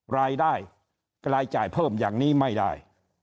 รายได้รายจ่ายเพิ่มอย่างนี้ไม่ได้